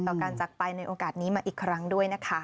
การจักรไปในโอกาสนี้มาอีกครั้งด้วยนะคะ